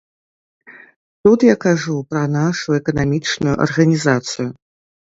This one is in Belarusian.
Тут я кажу пра нашу эканамічную арганізацыю.